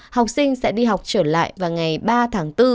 học sinh sẽ đi học trở lại vào ngày ba tháng bốn